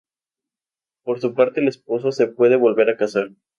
Por su parte el esposo se puede volver a casar.